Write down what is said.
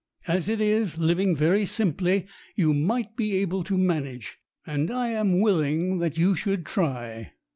As it is, living very simply, you might be able to manage, and I'm willing that you should try.